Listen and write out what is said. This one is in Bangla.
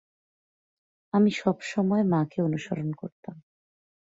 আমি সবসময় মাকে অনুসরণ করতাম।